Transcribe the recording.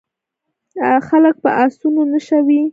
خلک په اسونو نښه وي.